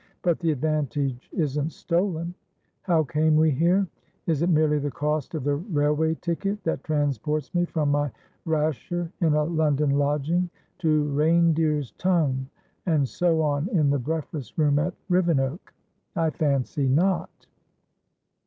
But the advantage isn't stolen. How came we here? Is it merely the cost of the railway ticket that transports me from my rasher in a London lodging to reindeer's tongue and so on in the breakfast room at Rivenoak? I fancy not."